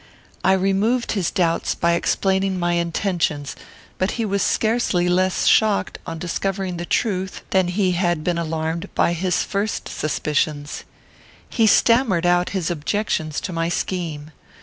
I removed his doubts by explaining my intentions; but he was scarcely less shocked, on discovering the truth, than he had been alarmed by his first suspicions. He stammered out his objections to my scheme.